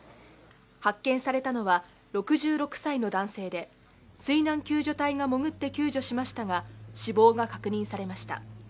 発見されたのは６６歳の男性で水難救助隊が潜って救助しましたが、死亡が確認されました。